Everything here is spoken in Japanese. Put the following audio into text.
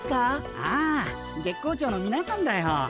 ああ月光町のみなさんだよ。